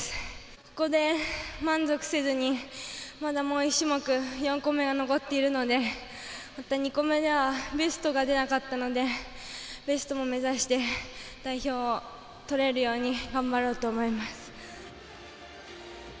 ここで満足せずにまだもう１種目４個メが残っているので２個メではベストが出なかったのでベストも目指して代表もとれるように頑張ろうと思います。